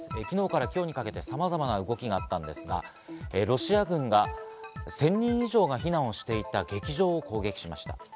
昨日から今日にかけてさまざまな動きがあったんですが、ロシア軍が１０００人以上が避難していた劇場を攻撃しました。